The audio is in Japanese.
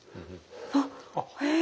あっへえ。